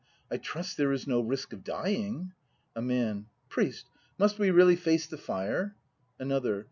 ] I trust there is no risk of dying ? A Man. Priest, must we really face the fire ? Another.